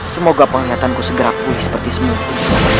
semoga penglihatanku segera pulih seperti semula